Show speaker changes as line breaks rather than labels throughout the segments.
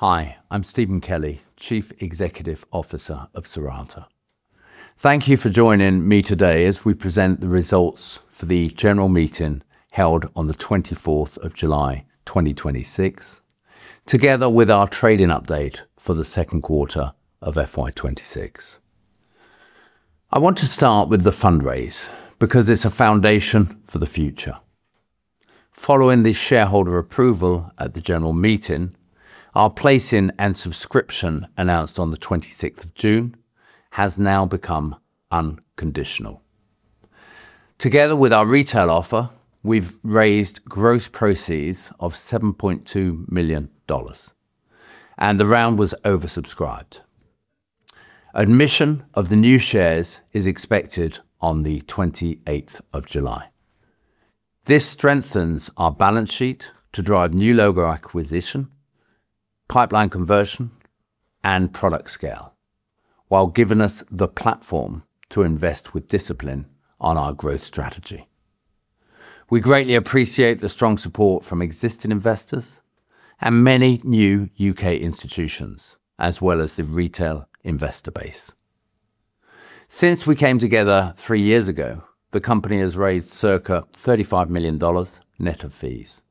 Hi, I'm Stephen Kelly, Chief Executive Officer of Cirata. Thank you for joining me today as we present the results for the general meeting held on the 24th of July, 2026, together with our trading update for the second quarter of FY 2026. I want to start with the fundraise because it's a foundation for the future. Following the shareholder approval at the general meeting, our placing and subscription announced on the 26th of June has now become unconditional. Together with our retail offer, we've raised gross proceeds of $7.2 million. The round was oversubscribed. Admission of the new shares is expected on the 28th of July. This strengthens our balance sheet to drive new logo acquisition, pipeline conversion, and product scale, while giving us the platform to invest with discipline on our growth strategy. We greatly appreciate the strong support from existing investors and many new U.K. institutions, as well as the retail investor base. Since we came together three years ago, the company has raised circa GBP 35 million net of fees.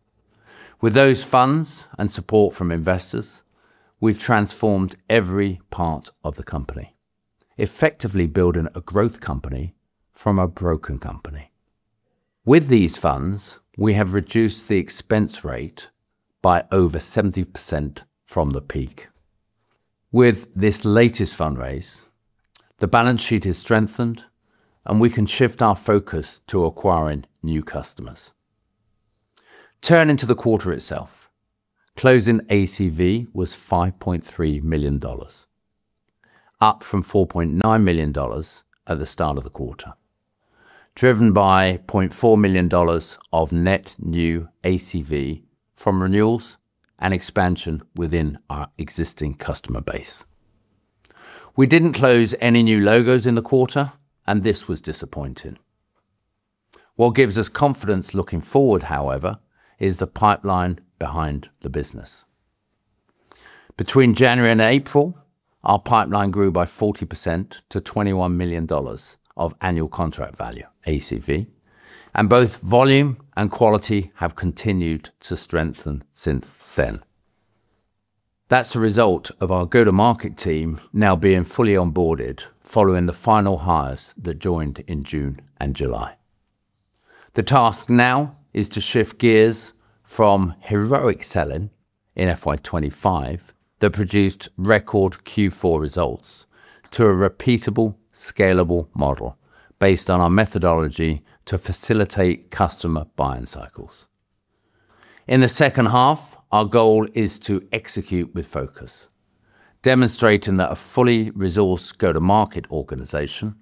With those funds and support from investors, we've transformed every part of the company, effectively building a growth company from a broken company. With these funds, we have reduced the expense rate by over 70% from the peak. With this latest fundraise, the balance sheet is strengthened. We can shift our focus to acquiring new customers. Turning to the quarter itself, closing ACV was GBP 5.3 million, up from GBP 4.9 million at the start of the quarter, driven by GBP 0.4 million of net new ACV from renewals and expansion within our existing customer base. We didn't close any new logos in the quarter. This was disappointing. What gives us confidence looking forward, however, is the pipeline behind the business. Between January and April, our pipeline grew by 40% to GBP 21 million of annual contract value, ACV. Both volume and quality have continued to strengthen since then. That's a result of our go-to-market team now being fully onboarded following the final hires that joined in June and July. The task now is to shift gears from heroic selling in FY 2025 that produced record Q4 results to a repeatable, scalable model based on our methodology to facilitate customer buying cycles. In the second half, our goal is to execute with focus, demonstrating that a fully resourced go-to-market organization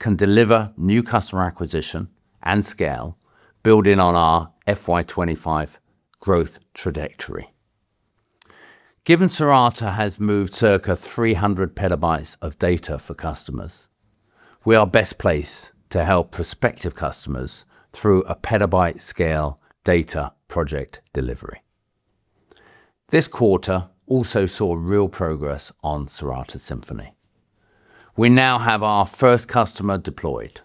can deliver new customer acquisition and scale building on our FY 2025 growth trajectory. Given Cirata has moved circa 300 petabytes of data for customers, we are best placed to help prospective customers through a petabyte scale data project delivery. This quarter also saw real progress on Cirata Symphony. We now have our first customer deployed,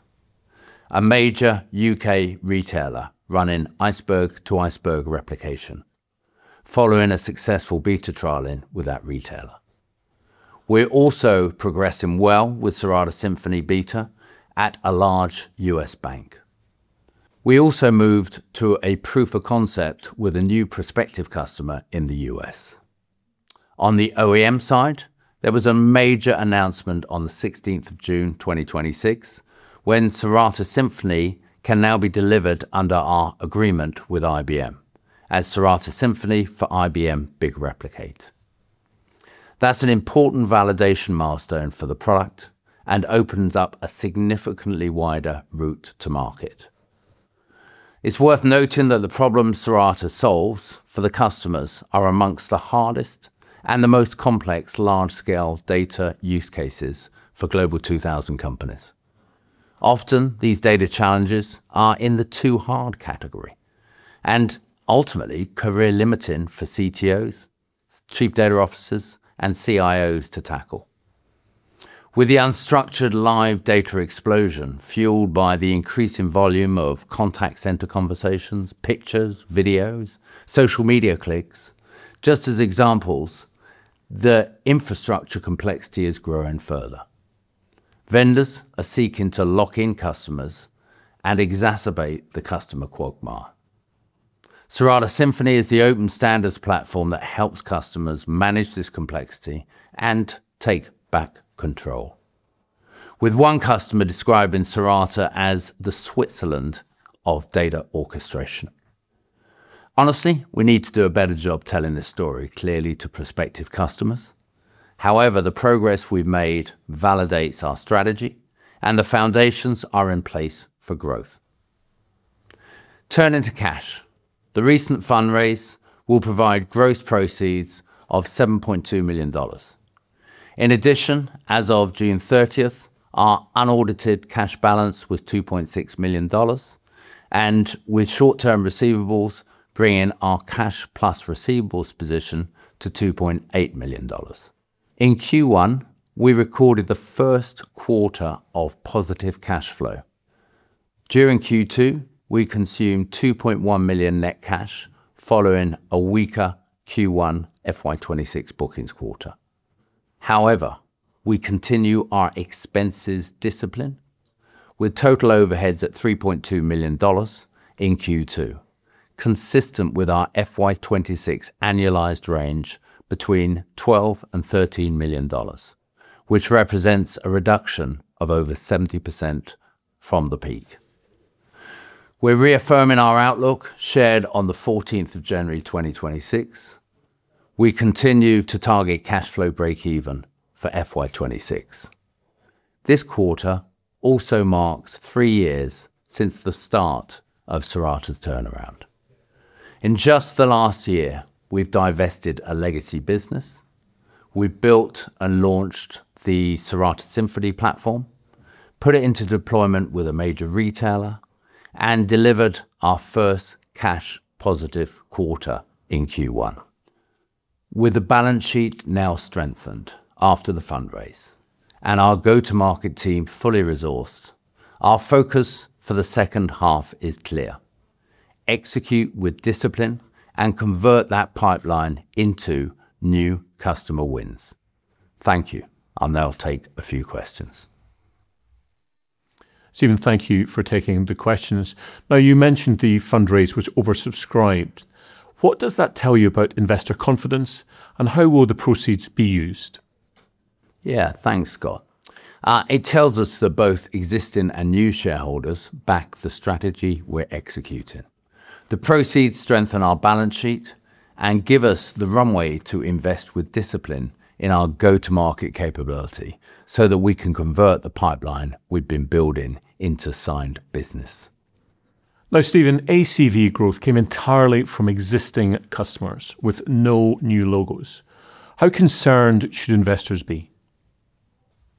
a major U.K. retailer running iceberg-to-iceberg replication following a successful beta trialing with that retailer. We're also progressing well with Cirata Symphony beta at a large U.S. bank. We also moved to a proof of concept with a new prospective customer in the U.S. On the OEM side, there was a major announcement on the 16th of June 2026 when Cirata Symphony can now be delivered under our agreement with IBM as Cirata Symphony for IBM Big Replicate. That's an important validation milestone for the product. Opens up a significantly wider route to market. It's worth noting that the problems Cirata solves for the customers are amongst the hardest and the most complex large-scale data use cases for Global 2000 companies. Often, these data challenges are in the too hard category and ultimately career-limiting for CTOs, chief data officers, and CIOs to tackle. With the unstructured live data explosion fueled by the increasing volume of contact center conversations, pictures, videos, social media clicks, just as examples, the infrastructure complexity is growing further. Vendors are seeking to lock in customers and exacerbate the customer quagmire. Cirata Symphony is the open standards platform that helps customers manage this complexity and take back control. With one customer describing Cirata as the Switzerland of data orchestration. Honestly, we need to do a better job telling this story clearly to prospective customers. However, the progress we've made validates our strategy, and the foundations are in place for growth. Turning to cash. The recent fundraise will provide gross proceeds of $7.2 million. In addition, as of June 30th, our unaudited cash balance was GBP 2.6 million, and with short-term receivables bringing our cash plus receivables position to GBP 2.8 million. In Q1, we recorded the first quarter of positive cash flow. During Q2, we consumed 2.1 million net cash following a weaker Q1 FY 2026 bookings quarter. We continue our expenses discipline with total overheads at GBP 3.2 million in Q2, consistent with our FY 2026 annualized range between 12 million and GBP 13 million, which represents a reduction of over 70% from the peak. We're reaffirming our outlook shared on the 14th of January 2026. We continue to target cash flow breakeven for FY 2026. This quarter also marks three years since the start of Cirata's turnaround. In just the last year, we've divested a legacy business. We built and launched the Cirata Symphony platform, put it into deployment with a major retailer, and delivered our first cash positive quarter in Q1. With the balance sheet now strengthened after the fundraise and our go-to-market team fully resourced, our focus for the second half is clear: execute with discipline and convert that pipeline into new customer wins. Thank you. I'll now take a few questions.
Stephen, thank you for taking the questions. You mentioned the fundraise was oversubscribed. What does that tell you about investor confidence, and how will the proceeds be used?
Yeah, thanks, Scott. It tells us that both existing and new shareholders back the strategy we're executing. The proceeds strengthen our balance sheet and give us the runway to invest with discipline in our go-to-market capability so that we can convert the pipeline we've been building into signed business.
Stephen, ACV growth came entirely from existing customers with no new logos. How concerned should investors be?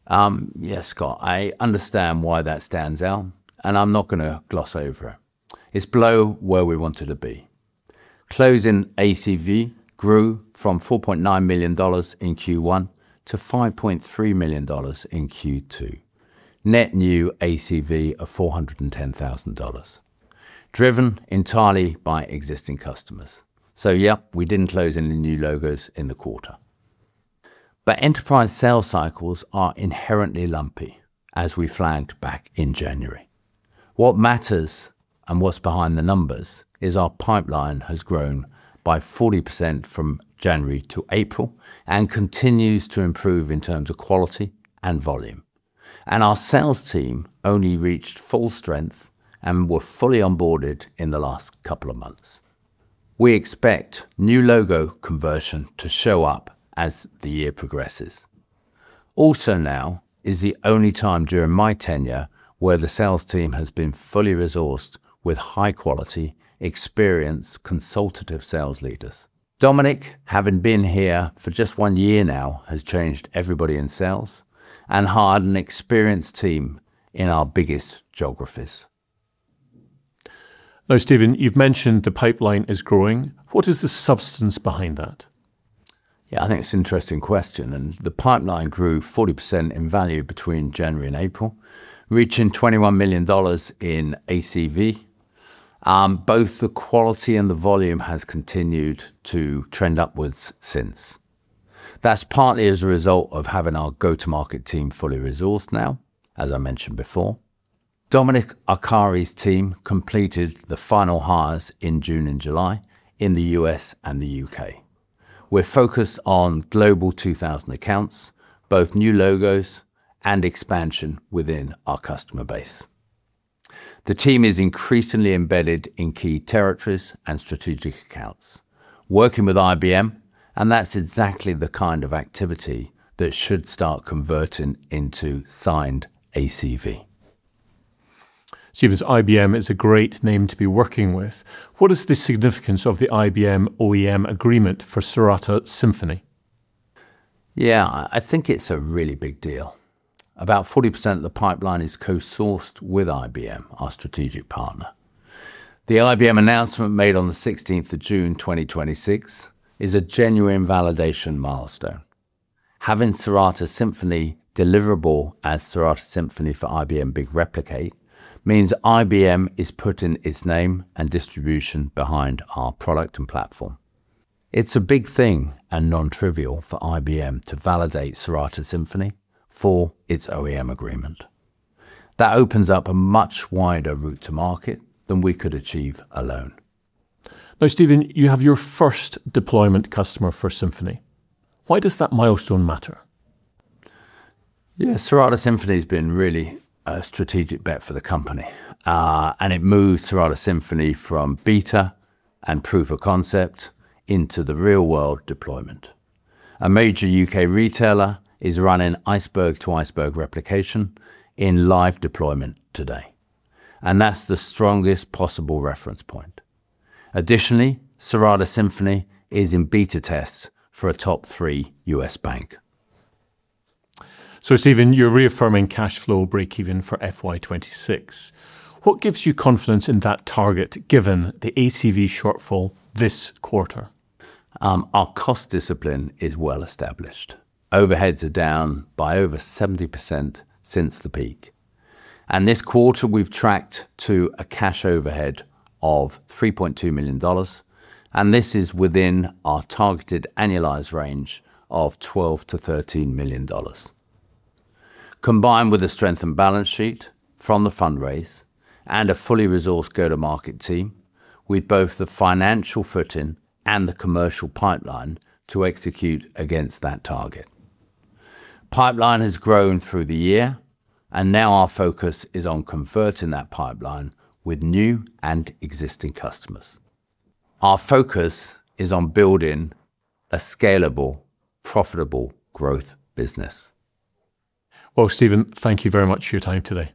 Yeah, Scott, I understand why that stands out, and I'm not going to gloss over it. It's below where we wanted to be. Closing ACV grew from GBP 4.9 million in Q1 to GBP 5.3 million in Q2. Net new ACV of GBP 410,000, driven entirely by existing customers. Yeah, we didn't close any new logos in the quarter. Enterprise sales cycles are inherently lumpy, as we flagged back in January. What matters and what's behind the numbers is our pipeline has grown by 40% from January to April and continues to improve in terms of quality and volume. Our sales team only reached full strength and were fully onboarded in the last couple of months. We expect new logo conversion to show up as the year progresses. Now is the only time during my tenure where the sales team has been fully resourced with high-quality, experienced, consultative sales leaders. Dominic, having been here for just one year now, has changed everybody in sales and hired an experienced team in our biggest geographies.
Stephen, you've mentioned the pipeline is growing. What is the substance behind that?
Yeah, I think it's an interesting question. The pipeline grew 40% in value between January and April, reaching GBP 21 million in ACV. Both the quality and the volume has continued to trend upwards since. That's partly as a result of having our go-to-market team fully resourced now, as I mentioned before. Dominic Arcari's team completed the final hires in June and July in the U.S. and the U.K. We're focused on Global 2000 accounts, both new logos and expansion within our customer base. The team is increasingly embedded in key territories and strategic accounts, working with IBM, that's exactly the kind of activity that should start converting into signed ACV.
Stephen, IBM is a great name to be working with. What is the significance of the IBM OEM agreement for Cirata Symphony?
Yeah, I think it's a really big deal. About 40% of the pipeline is co-sourced with IBM, our strategic partner. The IBM announcement made on the 16th of June 2026 is a genuine validation milestone. Having Cirata Symphony deliverable as Cirata Symphony for IBM Big Replicate means IBM is putting its name and distribution behind our product and platform. It's a big thing and nontrivial for IBM to validate Cirata Symphony for its OEM agreement. That opens up a much wider route to market than we could achieve alone.
Stephen, you have your first deployment customer for Symphony. Why does that milestone matter?
Cirata Symphony has been really a strategic bet for the company. It moves Cirata Symphony from beta and proof of concept into the real-world deployment. A major U.K. retailer is running iceberg-to-iceberg replication in live deployment today, and that's the strongest possible reference point. Additionally, Cirata Symphony is in beta tests for a top-three U.S. bank.
Stephen, you're reaffirming cash flow breakeven for FY 2026. What gives you confidence in that target given the ACV shortfall this quarter?
Our cost discipline is well established. Overheads are down by over 70% since the peak, and this quarter, we've tracked to a cash overhead of GBP 3.2 million, and this is within our targeted annualized range of GBP 12 million-GBP 13 million. Combined with a strengthened balance sheet from the fundraise and a fully resourced go-to-market team with both the financial footing and the commercial pipeline to execute against that target. Pipeline has grown through the year, and now our focus is on converting that pipeline with new and existing customers. Our focus is on building a scalable, profitable growth business.
Well, Stephen, thank you very much for your time today.